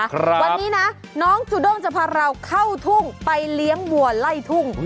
วันนี้นะน้องจูด้งจะพาเราเข้าทุ่งไปเลี้ยงวัวไล่ทุ่ง